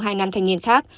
hai năm thanh niên khác